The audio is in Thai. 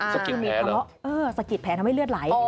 สกิดแพ้เหรออือสกิดแพ้ทำให้เลือดไหล